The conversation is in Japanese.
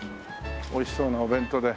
おいしそうなお弁当で。